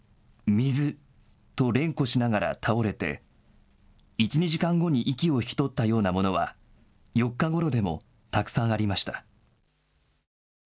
水！と連呼しながら倒れて１、２時間後に息を引き取ったような者は４日ごろでもたくさんありました。